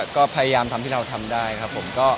ก็พยายามทำให้เราทำได้ครับผม